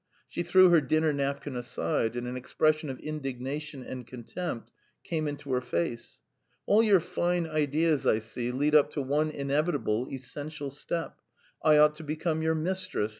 She threw her dinner napkin aside, and an expression of indignation and contempt came into her face. "All your fine ideas, I see, lead up to one inevitable, essential step: I ought to become your mistress.